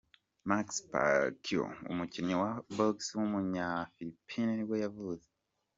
Manny Pacquiao, umukinnyi wa Box w’umunya-Philippines nibwo yavutse.